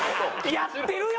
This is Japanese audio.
やってるよ！